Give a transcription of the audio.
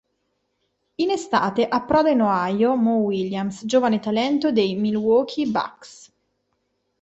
In estate approda in Ohio Mo Williams, giovane talento dei Milwaukee Bucks.